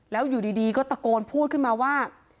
แล้วอยู่ดีก็ตะโกนพูดขึ้นมาว่า